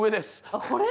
あっこれ？